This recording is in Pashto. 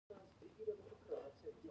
له واکه په وتلو وروسته توهین زیاتېږي.